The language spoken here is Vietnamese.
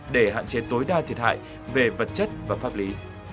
để hạn chế tối đa thiệt hại về vật chất và pháp lý